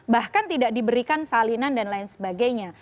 bahkan tidak diberikan salinan dan lain sebagainya